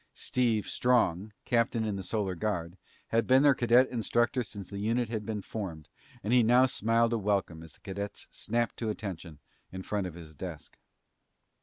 Steve Strong, captain in the Solar Guard, had been their cadet instructor since the unit had been formed and he now smiled a welcome as the cadets snapped to attention in front of his desk.